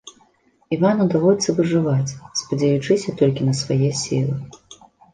Івану даводзіцца выжываць, спадзеючыся толькі на свае сілы.